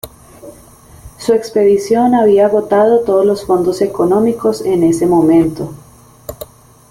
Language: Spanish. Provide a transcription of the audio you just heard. Su expedición había agotado todos los fondos económicos en ese momento.